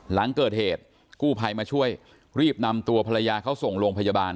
หลังเกิดเหตุกู้ภัยมาช่วยรีบนำตัวภรรยาเขาส่งโรงพยาบาล